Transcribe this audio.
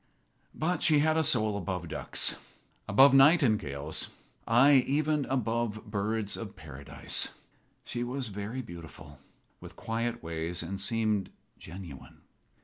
But she had a soul above ducks above nightingales; aye, even above birds of paradise. She was very beautiful, with quiet ways, and seemed genuine.